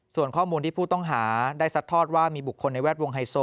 ส่วนข้อมูลที่ผู้ต้องหาได้ซัดทอดว่ามีบุคคลในแวดวงไฮโซ